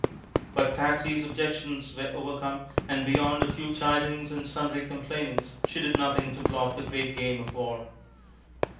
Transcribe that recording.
But "Patsy's" objections were overcome, and beyond a few chidings and sundry complainings, she did nothing to block the great game of war.